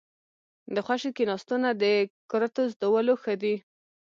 ـ د خوشې کېناستو نه د کرتو زدولو ښه دي.